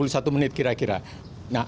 jadi kita harus mencari yang paling penting